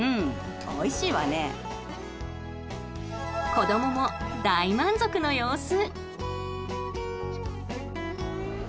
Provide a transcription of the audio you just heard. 子どもも大満足の様子。